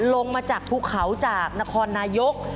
ลงมาจากภูเขาจากนครนายก